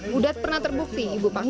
budat pernah terbukti ibu panggung